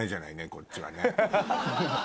こっちはね。